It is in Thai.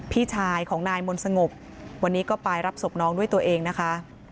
พี่ชายของนายมนต์สงบวันนี้ก็ไปรับศพน้องด้วยตัวเองนะคะ